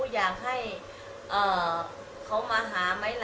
อยากให้เค้ามาหาไม่หรอ